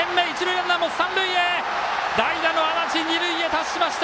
代打の安達、二塁へ達しました。